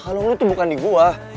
kalung lo tuh bukan di gue